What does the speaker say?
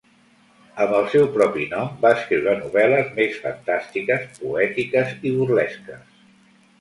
Amb el seu propi nom, va escriure novel·les més fantàstiques, poètiques i burlesques.